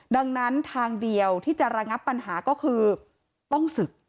ดังนั้นทางเดียวที่จะระงับปัญหาก็คือต้องศึก